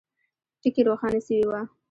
ټکي روښانه سوي وه.